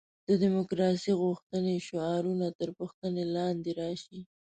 د دیموکراسي غوښتنې شعارونه تر پوښتنې لاندې راشي.